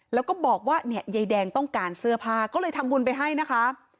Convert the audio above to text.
แล้วก็บอกว่าเนี่ยยายแดงต้องการเสื้อผ้าก็เลยทำบุญไปให้นะคะ